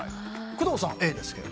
工藤さん、Ａですが。